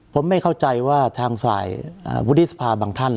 ผมไม่เข้าใจว่าทางฝ่ายวุฒิสภาบางท่าน